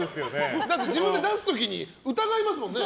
自分で出す時に疑いますもんね。